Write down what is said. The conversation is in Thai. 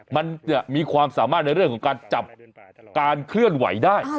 มันจะมีความสามารถในเรื่องของการจับการเคลื่อนไหวได้